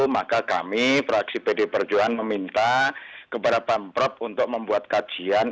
maka kami fraksi pd perjuangan meminta kepada pemprov untuk membuat kajian